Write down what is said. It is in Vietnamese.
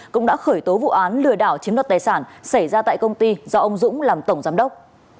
cũng đã khởi tố vụ án lừa đảo chiếm đoạt tài sản xảy ra tại công ty do ông dũng làm tổng giám đốc